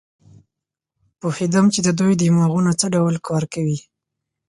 پوهېدم چې د دوی دماغونه څه ډول کار کوي.